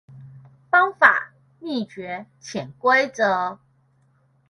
方法、秘訣、潛規則